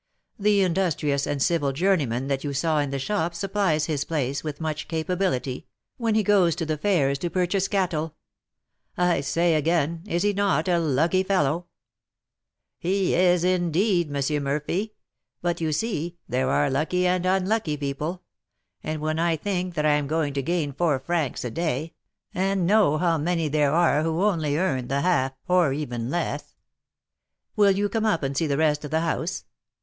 The industrious and civil journeyman that you saw in the shop supplies his place, with much capability, when he goes to the fairs to purchase cattle. I say again, is he not a lucky fellow?" "He is, indeed, M. Murphy. But, you see, there are lucky and unlucky people; and when I think that I am going to gain four francs a day, and know how many there are who only earn the half, or even less " "Will you come up and see the rest of the house?"